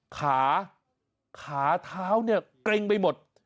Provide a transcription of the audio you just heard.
ขาขาเท้าเนี่ยเกร็งไปหมด